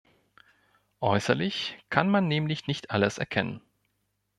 Äußerlich kann man nämlich nicht alles erkennen.